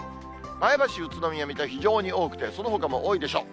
前橋、宇都宮、水戸、非常に多くて、そのほかも多いでしょう。